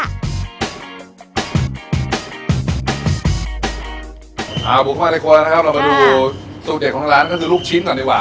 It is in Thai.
เอาบุกเข้ามาในครัวแล้วนะครับเรามาดูสูตรเด็ดของทางร้านก็คือลูกชิ้นก่อนดีกว่า